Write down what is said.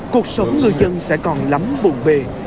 cuộc sống người dân sẽ còn lắm buồn bề